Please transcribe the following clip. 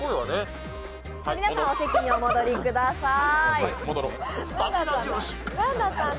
皆さん、お席にお戻りください。